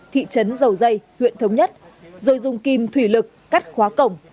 thị trấn dầu dây huyện thống nhất rồi dùng kim thủy lực cắt khóa cổng